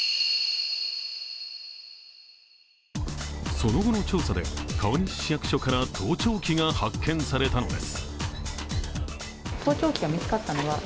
その後の調査で、川西市役所から盗聴器が発見されたのです。